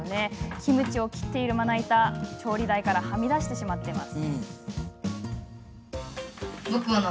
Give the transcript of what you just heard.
キムチを切っているまな板は調理台からはみ出してしまっています。